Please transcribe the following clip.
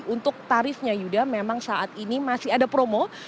untuk tarifnya yuda memang saat ini masih ada promo